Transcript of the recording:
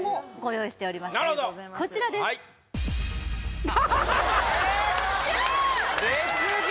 こちらです別人！